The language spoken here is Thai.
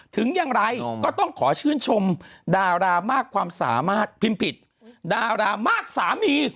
ถึงอย่างไรก็ต้องขอชื่นชมดารามากความสามารถพิมพ์ผิดดารามากสามี